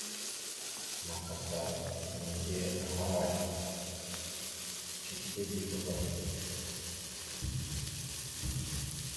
Naka ta nège ahaway? Cikiɗe igefaba.